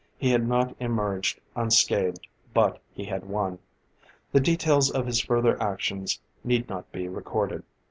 He had not emerged unscathed, but he had won! The details of his further actions need not be recorded.